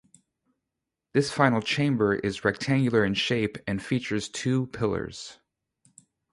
This final chamber is rectangular in shape and features two pillars.